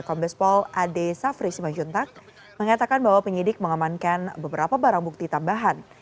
kompis pol ade safri simajuntak mengatakan bahwa penyidik mengamankan beberapa barang bukti tambahan